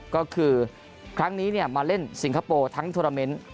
ก็คือครั้งนี้มาเล่นสิงคโปร์ทั้งโทรเมนต์